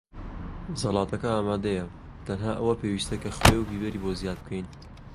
زەڵاتەکە ئامادەیە. تەنها ئەوە پێویستە کە خوێ و بیبەری بۆ زیاد بکەین.